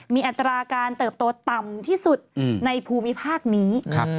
มีอัตราการเติบโตต่ำที่สุดในภูมิภาคนี้